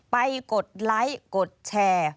กดไลค์กดแชร์